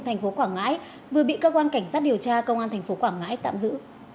thành phố quảng ngãi vừa bị cơ quan cảnh sát điều tra công an thành phố quảng ngãi tạm giữ